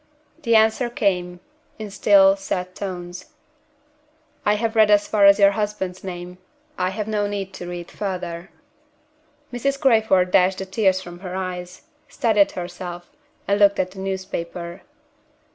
The answer came, in still, sad tones: "I have read as far as your husband's name. I have no need to read further." Mrs. Crayford dashed the tears from her eyes steadied herself and looked at the newspaper.